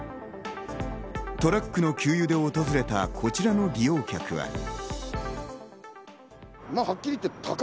トラックの給油で訪れた、こちらの利用客は。